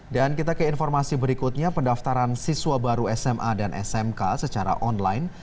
dan kita ke informasi berikutnya pendaftaran siswa baru sma dan smk secara online